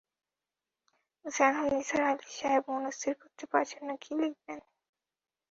যেন নিসার আলি সাহেব মনস্থির করতে পারছেন না কী লিখবেন।